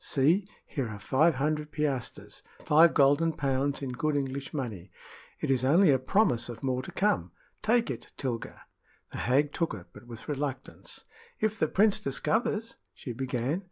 See! here are five hundred piastres five golden pounds in good English money. It is only a promise of more to come. Take it, Tilga." The hag took it, but with reluctance. "If the prince discovers " she began.